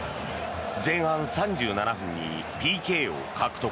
前半３７分にＰＫを獲得。